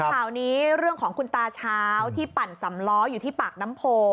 ข่าวนี้เรื่องของคุณตาเช้าที่ปั่นสำล้ออยู่ที่ปากน้ำโพ